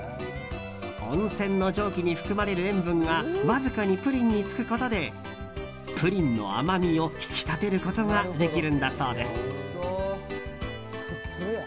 温泉の蒸気に含まれる塩分がわずかにプリンにつくことでプリンの甘みを引き立てることができるんだそうです。